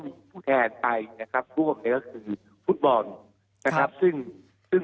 มีผู้แทนไปนะครับพวกนี้ก็คือฟุตบอลนะครับซึ่งซึ่ง